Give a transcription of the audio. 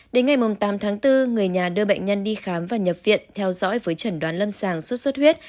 đến ngày tám tháng bốn người nhà đưa bệnh nhân đi khám và nhập viện theo dõi với trần đoán lâm sàng sốt xuất huyết